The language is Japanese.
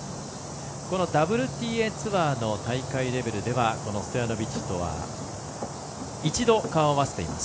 このＷＴＡツアーの大会レベルではストヤノビッチとは一度、顔を合わせています。